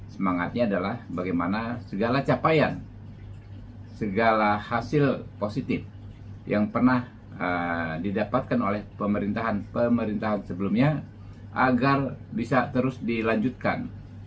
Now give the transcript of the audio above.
semangatnya adalah bagaimana segala capaian segala hasil positif yang pernah didapatkan oleh pemerintahan pemerintahan sebelumnya agar bisa terus dilanjutkan